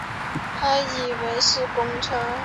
还以为是公车